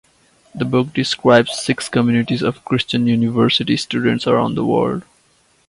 The book describes six communities of Christian university students around the world.